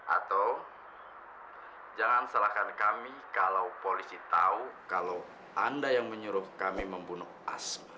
atau jangan salahkan kami kalau polisi tahu kalau anda yang menyuruh kami membunuh asma